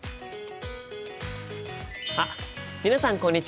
あっ皆さんこんにちは！